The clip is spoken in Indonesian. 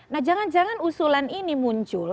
nah jangan jangan usulan ini muncul